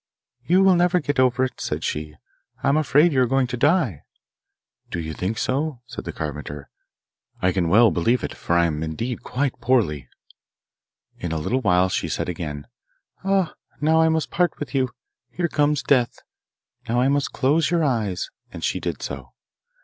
'You will never get over it,' said she; 'I am afraid you are going to die.' 'Do you think so?' said the carpenter; 'I can well believe it, for I am indeed very poorly.' In a little while she said again, 'Ah, now I must part with you. Here comes Death. Now I must close your eyes.' And she did so.